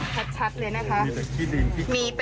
แปลกเลย